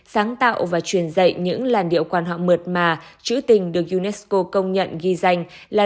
sáng tạo và truyền dạy những làn điệu quan họ mượt mà chữ tình được unesco công nhận ghi danh là